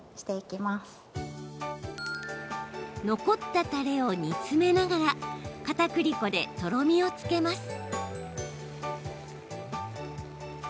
残ったたれを煮詰めながらかたくり粉でとろみをつけます。